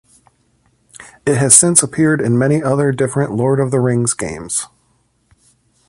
It has since appeared in many other different "Lord of the Rings" games.